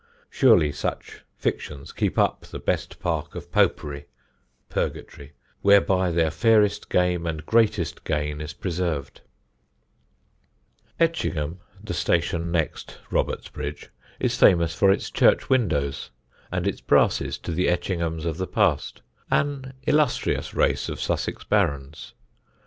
Surely such Fictions keep up the best Park of Popery (Purgatory), whereby their fairest Game and greatest Gaine is preserved." [Illustration: Shoyswell, near Ticehurst.] Etchingham, the station next Robertsbridge, is famous for its church windows, and its brasses to the Etchinghams of the past, an illustrious race of Sussex barons.